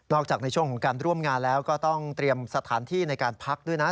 จากในช่วงของการร่วมงานแล้วก็ต้องเตรียมสถานที่ในการพักด้วยนะ